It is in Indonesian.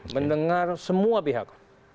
mendengar semua pihak